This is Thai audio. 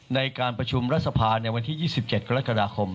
ในการประชุมรัฐสภาในวันที่๒๗กรกฎาคม